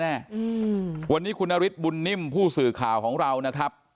แน่อืมวันนี้คุณนฤทธิบุญนิ่มผู้สื่อข่าวของเรานะครับ